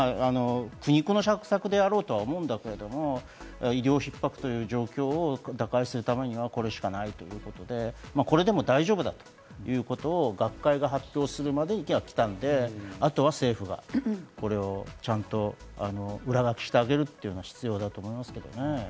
苦肉の策だろうけれども医療ひっ迫という状況を打開するためには、これしかないということで、これでも大丈夫だということを学会が発表するまで来たので、あとは政府がこれをちゃんと上書きしてあげるのが必要だと思いますね。